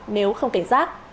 nếu không cảnh giác